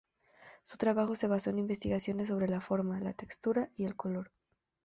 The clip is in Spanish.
Su trabajo se basó en investigaciones sobre la forma, la textura y el color.